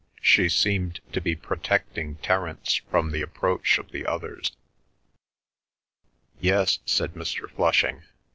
She seemed to be protecting Terence from the approach of the others. "Yes," said Mr. Flushing.